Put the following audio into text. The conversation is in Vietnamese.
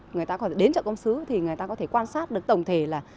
người ta có thể đến chợ công xứ thì người ta có thể quan sát được tổng thể là